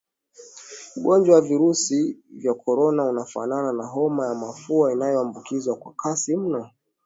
Ugonjwa wa Virusi vya Korona unafanana na homa ya mafua inayoambukizwa kwa kasi mno